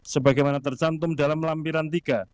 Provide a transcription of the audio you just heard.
sebagaimana tercantum dalam lampiran tiga